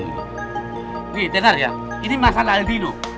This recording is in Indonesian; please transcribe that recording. nih dengar ya ini masalah al dino